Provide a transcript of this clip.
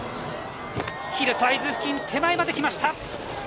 ヒルサイズ付近手前まで来ました。